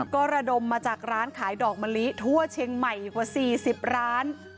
ก็ระดมมาจากร้านขายดอกมะลิทั่วเชียงใหม่กว่า๔๐ร้าน